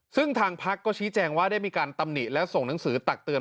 ซึ่งทางพักก็ชี้แจงว่าได้มีการตำหนิและส่งหนังสือตักเตือน